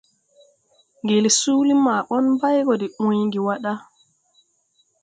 Ŋgel suuli maa ɓɔn bay go de uygi wà ɗa.